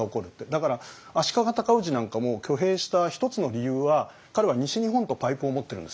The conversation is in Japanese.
だから足利尊氏なんかも挙兵した一つの理由は彼は西日本とパイプを持ってるんですよ。